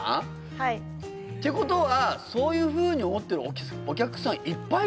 はいってことはそういうふうに思ってるお客さんいっぱいいるんじゃない？